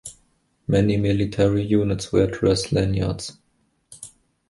Many military units wear dress lanyards.